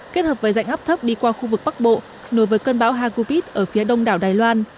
kết hợp với dạnh áp thấp đi qua khu vực bắc bộ nối với cơn bão hagupit ở phía đông đảo đài loan